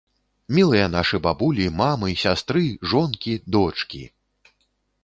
Мілыя нашы бабулі, мамы, сястры, жонкі, дочкі!